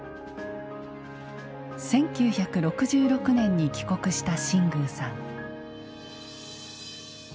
１９６６年に帰国した新宮さん。